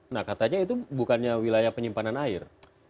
nah katanya itu bukannya wilayah penyimpanan air